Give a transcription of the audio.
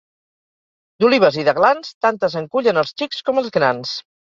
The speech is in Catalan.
D'olives i d'aglans, tantes en cullen els xics com els grans.